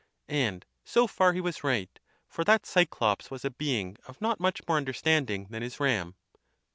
And so far he was right, for that Cyclops was a being of not much more understanding than his ram.